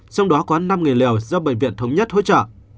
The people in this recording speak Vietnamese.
trong đó có năm nghề liều do bệnh viện thống nhất hỗ trợ